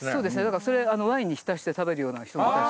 だからそれワインに浸して食べるような人もいたし。